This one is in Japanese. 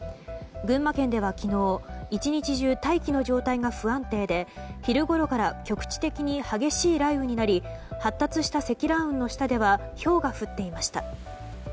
群馬県では昨日１日中、大気の状態が不安定で昼ごろから局地的に激しい雷雨になり発達した積乱雲の下ではひょうが降っていました。